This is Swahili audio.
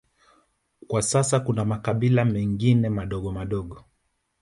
Kwa sasa kuna makabila mengine madogo madogo